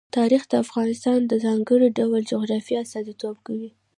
تاریخ د افغانستان د ځانګړي ډول جغرافیه استازیتوب کوي.